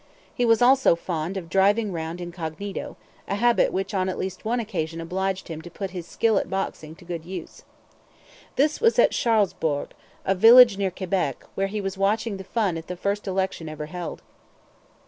He was also fond of driving round incognito, a habit which on at least one occasion obliged him to put his skill at boxing to good use. This was at Charlesbourg, a village near Quebec, where he was watching the fun at the first election ever held.